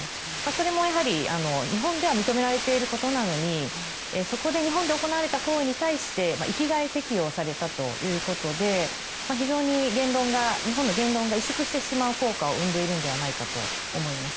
それも、やはり日本では認められていることなのに日本で行われた行為に対して生きがい適応されたということで非常に日本の言論が委縮している効果を生んでしまうのではないかと思います。